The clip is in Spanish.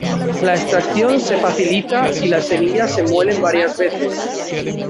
La extracción se facilita si las semillas se muelen varias veces.